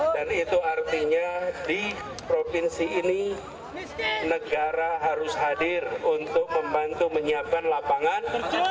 dan itu artinya di provinsi ini negara harus hadir untuk membantu menyiapkan lapangan